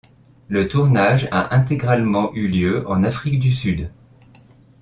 Le tournage a intégralement eu lieu en Afrique du Sud.